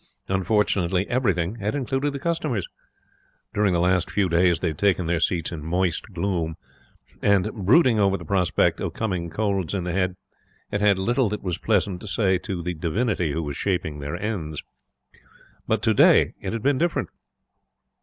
Unfortunately, everything had included the customers. During the last few days they had taken their seats in moist gloom, and, brooding over the prospect of coming colds in the head, had had little that was pleasant to say to the divinity who was shaping their ends. But today it had been different.